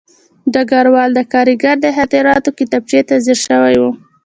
ډګروال د کارګر د خاطراتو کتابچې ته ځیر شوی و